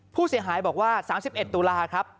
ผู้เสียหายบอกว่า๓๑ตุลาครับ